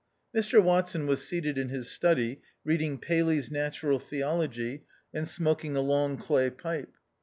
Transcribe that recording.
Mr Watson was seated in his study, read ing Paley's Natural Theology, and smoking a long clay pipe.